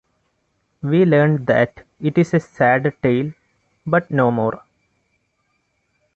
We learn that it is a "sad tale" but no more.